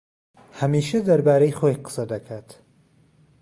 ھەمیشە دەربارەی خۆی قسە دەکات.